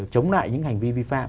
chống lại những hành vi vi phạm